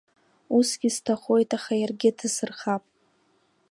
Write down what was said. Усгьы сҭахоит, аха иаргьы ҭасырхап.